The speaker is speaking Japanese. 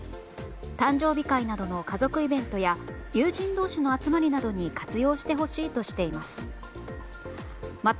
誕生日会などの家族イベントや友人同士の集まりなどに活用してほしいとしています。